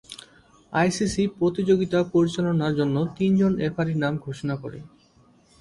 ICC প্রতিযোগিতা পরিচালনার জন্য তিনজন রেফারির নাম ঘোষণা করে।